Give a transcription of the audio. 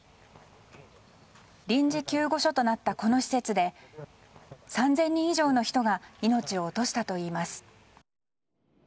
臨時救護所となったこの施設で３０００人以上の人が命を落としたといいます。